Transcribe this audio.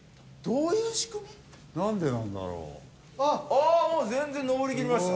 ああもう全然上りきりました。